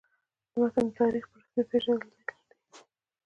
د متن د تاریخیت په رسمیت پېژندل دي.